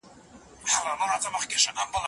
وي مي له سهاره تر ماښامه په خدمت کي